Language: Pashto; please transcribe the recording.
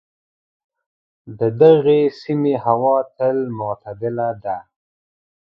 د دغې سیمې هوا تل معتدله ده.